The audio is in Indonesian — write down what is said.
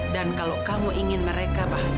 dan kalau kamu ingin mereka bahagia